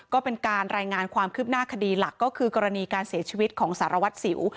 ก็เป็นการรายงานความคืบหน้าคดีหลักก็คือกรณีการเสียชีวิตของสารวัตรสิว